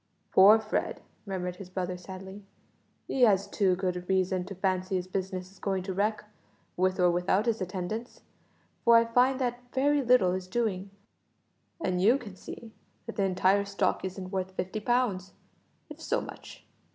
"Poor Fred!" murmured his brother sadly; "he has too good reason to fancy his business is going to wreck, with or without his attendance, for I find that very little is doing, and you can see that the entire stock isn't worth fifty pounds if so much.